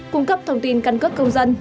cung cấp thông tin căn cước công dân